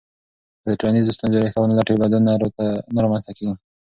که د ټولنیزو ستونزو ریښه ونه لټوې، بدلون نه رامنځته کېږي.